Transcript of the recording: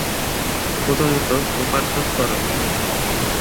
প্রথমত, উপার্জন কর।